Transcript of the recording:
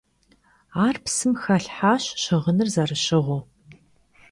Ar psım xelhaş, şığınır zerışığıu.